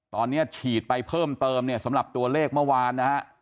ตอนนี้ฉีดไปเพิ่มเติมเนี่ยสำหรับตัวเลขเมื่อวานนะฮะ